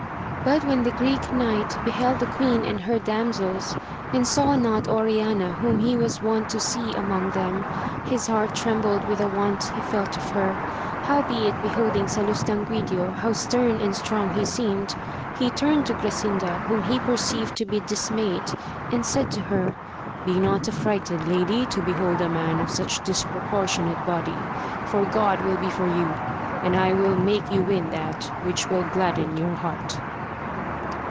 But when the Greek knight beheld the queen and her damsels^ and saw not Oriana whom he was wont to see among them, his heart trembled with the want he felt of her; howbeit beholding Salustanquidio how stem and strong he seemed, he turned to Grasinda whom he perceived to be dismayed, and said to her. Be not aflWghted lady to behold a man of such dispropor tionate body, for God will be for you, and I will make you win that, which will gladden your heart.